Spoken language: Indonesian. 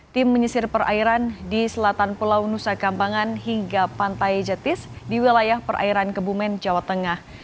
tim menyisir perairan di selatan pulau nusa kambangan hingga pantai jetis di wilayah perairan kebumen jawa tengah